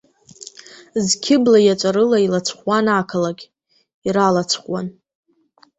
Зқьы бла иаҵәа рыла илацәҟәуан ақалақь, иралацәҟәуан.